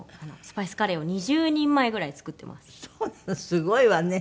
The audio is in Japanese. すごいわね。